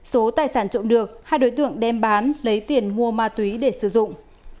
số tài sản trộm được hai đối tượng đem bán lấy tiền mua ma túy để sử dụng